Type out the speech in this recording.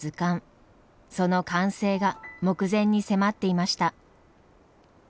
その完成が目前に迫っていました。